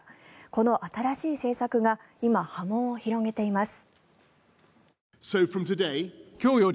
この新しい政策が今、波紋を広げています。